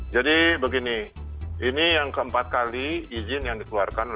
jadi begini ini yang keempat kali izin yang dikeluarkan